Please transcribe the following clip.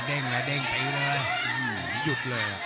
โหโหโหโหโหโห